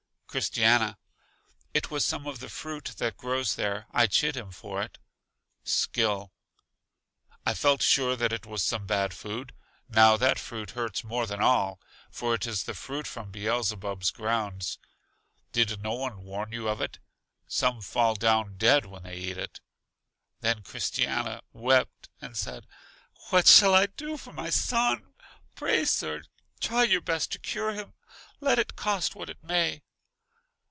Christiana: It was some of the fruit that grows there; I chid him for it. Skill: I felt sure that it was some bad food; now that fruit hurts more than all, for it is the fruit from Beelzebub's grounds. Did no one warn you of it? Some fall down dead when they eat it. Then Christiana wept and said, What shall I do for my son? Pray, Sir, try your best to cure him, let it cost what it may.